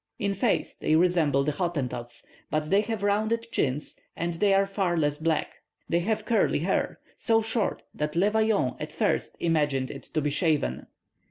In face they resemble the Hottentots, but they have rounder chins, and they are far less black. They have curly hair, so short that Le Vaillant at first imagined it to be shaven.